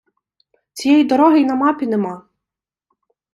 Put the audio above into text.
Цієї дороги й на мапі нема.